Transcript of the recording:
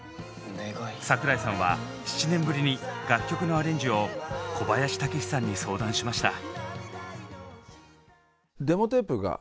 桜井さんは７年ぶりに楽曲のアレンジを小林武史さんに相談しました。